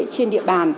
trên địa bàn